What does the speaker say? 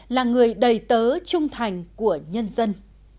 là người đầy tớ trung thành của nhân dân